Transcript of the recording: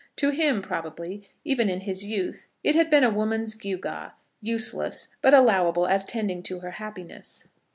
To him probably, even in his youth, it had been a woman's gewgaw, useless, but allowable as tending to her happiness.